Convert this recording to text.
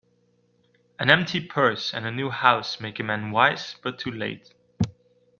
An empty purse, and a new house, make a man wise, but too late.